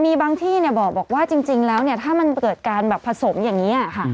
มีบางที่บอกว่าจริงแล้วเนี่ยถ้ามันเกิดการแบบผสมอย่างนี้ค่ะ